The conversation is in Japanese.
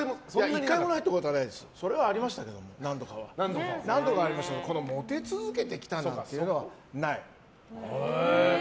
１回もないってことはないですけど何度かはありましたけどモテ続けてきたっていうのはない。